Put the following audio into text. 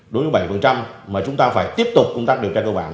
đối với bảy mà chúng ta phải tiếp tục công tác điều tra cơ bản